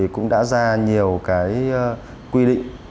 cũng đã ra nhiều quy định